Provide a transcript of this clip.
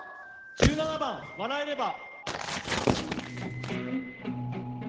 １７番「笑えれば」。